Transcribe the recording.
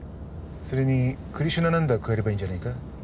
それにクリシュナナンダを加えればいいんじゃないか？